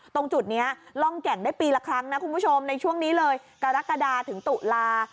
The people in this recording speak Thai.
ตรงจุดนี้ร่องแก่งได้ปีละครั้งนะคุณผู้ชมในช่วงนี้เลยกรกฎาถึงตุลา